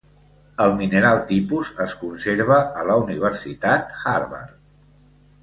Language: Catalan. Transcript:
El mineral tipus es conserva a la Universitat Harvard.